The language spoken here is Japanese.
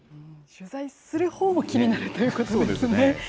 取材するほうも気になるということですね。